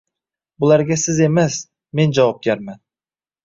Bularga siz emas, men javobgarman